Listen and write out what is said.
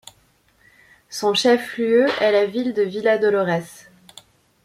Son chef-lieu est la ville de Villa Dolores.